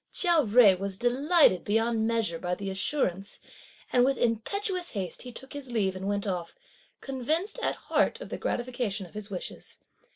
Chia Jui was delighted beyond measure by the assurance, and with impetuous haste, he took his leave and went off; convinced at heart of the gratification of his wishes.